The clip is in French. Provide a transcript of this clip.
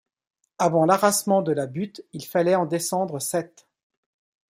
Avant l'arasement de la butte, il fallait en descendre sept.